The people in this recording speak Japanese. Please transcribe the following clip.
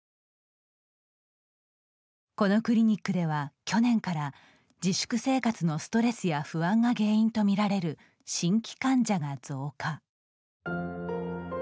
このクリニックでは去年から、自粛生活のストレスや不安が原因とみられる新規患者が増加。